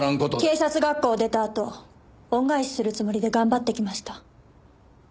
警察学校を出たあと恩返しするつもりで頑張ってきました。